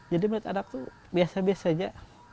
jadi menurut anak tuh biasa biasa aja